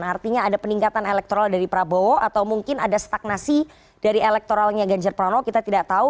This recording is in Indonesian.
artinya ada peningkatan elektoral dari prabowo atau mungkin ada stagnasi dari elektoralnya ganjar pranowo kita tidak tahu